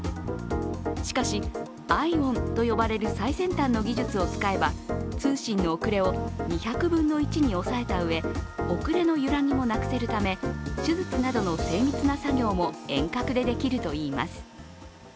しかし、ＩＯＷＮと呼ばれる最先端の技術を使えば通信の遅れを２００分の１に抑えたうえ、遅れの揺らぎもなくせるため手術などの精密な作業も遠隔でできるといいます。